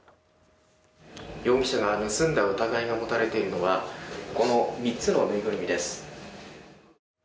容疑者が盗んだ疑いが持たれているのはこの３つの縫いぐるみです。